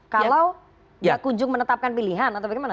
kalau tidak kunjung menetapkan pilihan atau bagaimana